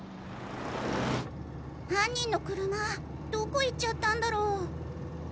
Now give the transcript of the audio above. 犯人の車どこいっちゃったんだろう？ん。